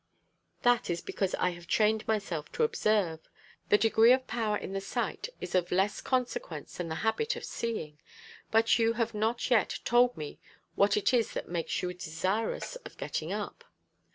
"That is because I have trained myself to observe. The degree of power in the sight is of less consequence than the habit of seeing. But you have not yet told me what it is that makes you desirous of getting up."